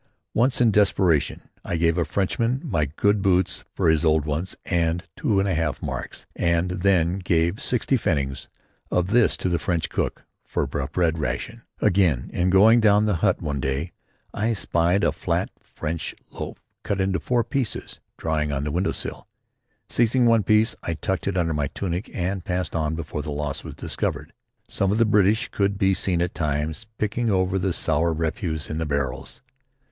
Once, in desperation, I gave a Frenchman my good boots for his old ones and two and a half marks, and then gave sixty pfennigs of this to the French cook for a bread ration. Again, in going down the hut one day, I espied a flat French loaf cut into four pieces, drying on the window sill. Seizing one piece, I tucked it under my tunic and passed on before the loss was discovered. Some of the British could be seen at times picking over the sour refuse in the barrels.